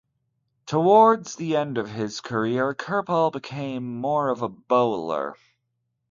Towards the end of his career Kripal became more of a bowler.